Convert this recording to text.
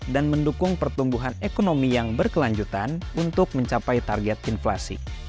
dan mendukung pertumbuhan ekonomi yang berkelanjutan untuk mencapai target inflasi